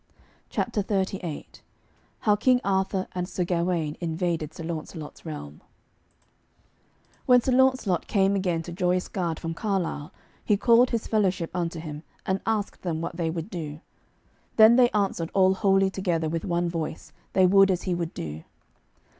CHAPTER XXXVIII HOW KING ARTHUR AND SIR GAWAINE INVADED SIR LAUNCELOT'S REALM When Sir Launcelot came again to Joyous Gard from Carlisle, he called his fellowship unto him, and asked them what they would do. Then they answered all wholly together with one voice, they would as he would do.